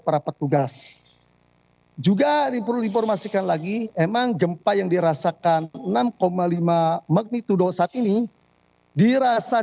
para petugas juga diperinformasikan lagi emang gempa yang dirasakan enam lima magnitudo saat ini dirasa